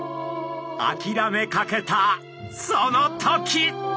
あきらめかけたその時！